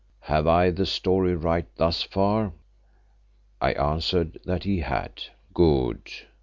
Have I the story right thus far?" I answered that he had. "Good!